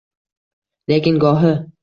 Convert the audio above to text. Lekin gohi